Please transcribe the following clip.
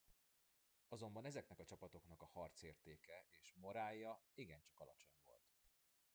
Azonban ezeknek a csapatoknak a harcértéke és morálja igencsak alacsony volt.